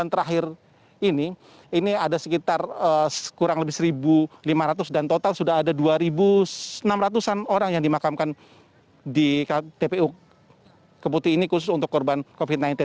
dan terakhir ini ini ada sekitar kurang lebih satu lima ratus dan total sudah ada dua enam ratus an orang yang dimakamkan di tpu keputih ini khusus untuk korban covid sembilan belas